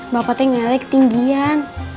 bapak teng ngelek tinggian